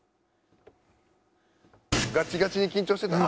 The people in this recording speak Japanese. ガチガチに緊張してたな。